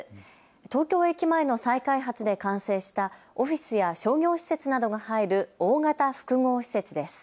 東京駅前の再開発で完成したオフィスや商業施設などが入る大型複合施設です。